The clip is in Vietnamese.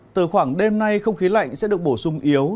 từ khoảng đêm nay không khí lạnh sẽ được bổ sung yếu